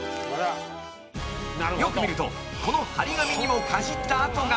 ［よく見るとこの貼り紙にもかじった跡が］